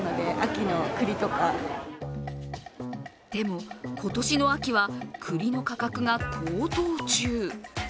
でも、今年の秋は栗の価格が高騰中。